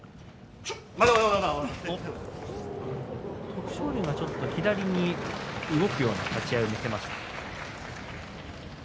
徳勝龍が左に動くような立ち合いを見せました。